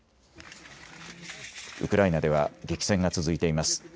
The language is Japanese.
ウクライナでは激戦が続いています。